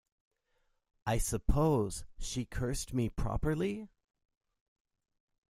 I suppose she cursed me properly?